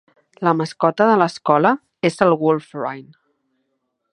La mascota de l'escola és el Wolverine.